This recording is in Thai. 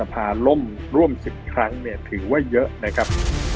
มีสภาพรุตรล่มร่วม๑๐ครั้งถือว่าเยอะกัน